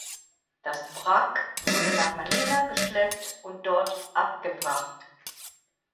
Das Wrack wurde nach Manila geschleppt und dort abgewrackt.